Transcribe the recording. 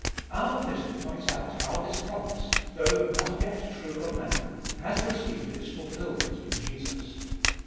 Our Epistle points out how this promise, though not yet true of man, has received its fulfilment in Jesus.